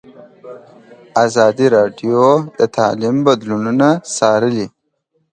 ازادي راډیو د تعلیم بدلونونه څارلي.